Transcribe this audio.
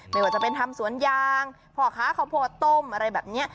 ไม่ว่าจะเป็นทำสวนยางพ่อค้าข้าวโพดต้มอะไรแบบนี้